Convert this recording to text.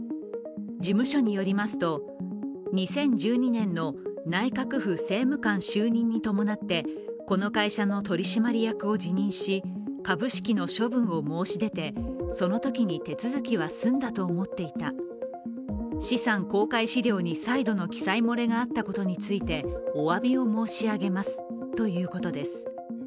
事務所によりますと、２０１２年の内閣府政務官就任に伴ってこの会社の取締役を辞任し、株式の処分を申し出て、そのときに手続きは済んだと思っていた資産公開資料に再度の記載漏れがあったことについておわびを申し上げますということです。